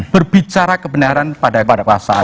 berbicara kebenaran pada pasal